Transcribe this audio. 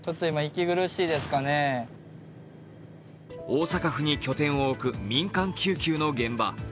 大阪府に拠点を置く民間救急の現場。